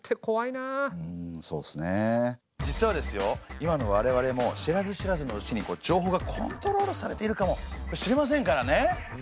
今の我々も知らず知らずのうちに情報がコントロールされているかもしれませんからね。